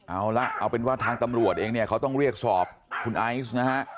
เอาละเอาเป็นว่าทางตำรวจเองเนี่ยเขาต้องเรียกสอบคุณไอซ์นะฮะ